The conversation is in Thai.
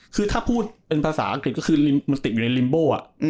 คือถ้าพูดเป็นภาษาอังกฤษก็คือมันติดอยู่ในริมโบ้